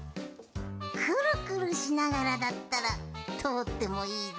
くるくるしながらだったらとおってもいいぞ。